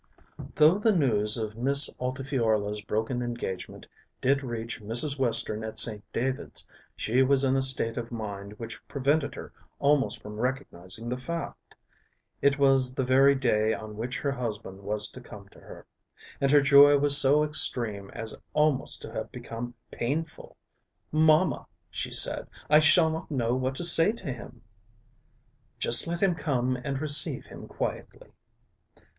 Though the news of Miss Altifiorla's broken engagement did reach Mrs. Western at St. David's, she was in a state of mind which prevented her almost from recognising the fact. It was the very day on which her husband was to come to her. And her joy was so extreme as almost to have become painful. "Mamma," she said, "I shall not know what to say to him." "Just let him come and receive him quietly."